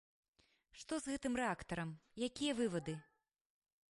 Што з гэтым рэактарам, якія вывады?